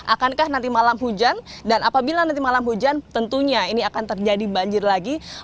akankah nanti malam hujan dan apabila nanti malam hujan tentunya ini akan terjadi banjir lagi